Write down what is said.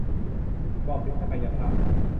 บอกถึงศักยภาพ